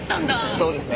そうですね。